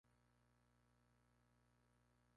Yoshiaki Maruyama